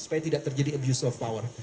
supaya tidak terjadi abuse of power